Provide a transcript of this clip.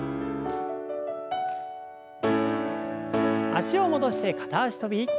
脚を戻して片脚跳び。